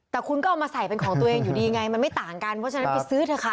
แต่คุณก็เอามาใส่เป็นของตัวเองอยู่ดีไงมันไม่ต่างกันเพราะฉะนั้นไปซื้อเถอะค่ะ